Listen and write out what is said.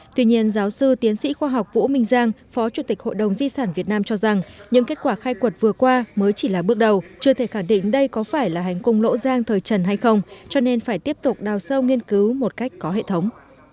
tuy nhiên giáo sư tiến sĩ khoa học vũ minh giang phó chủ tịch hội đồng di sản việt nam cho rằng những kết quả khai quật vừa qua mới chỉ là bước đầu chưa thể khẳng định đây có phải là hành cung lỗ giang thời trần hay không cho nên phải tiếp tục đào sâu nghiên cứu một cách có hệ thống